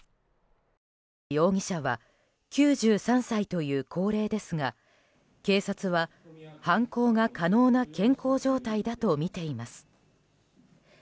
容疑者は９３歳という高齢ですが警察は犯行が可能な健康状態だとみています。